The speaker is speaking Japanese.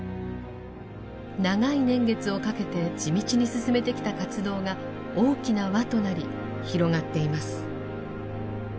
長い年月をかけて地道に進めてきた活動が大きな輪となり広がっています。